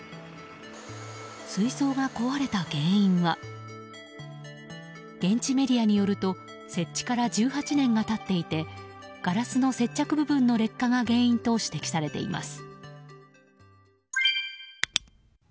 水槽が壊れた原因は現地メディアによると設置から１８年が経っていてガラスの接着部分の劣化が原因と指摘されています。